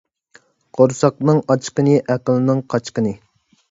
قۇرساقنىڭ ئاچقىنى – ئەقىلنىڭ قاچقىنى.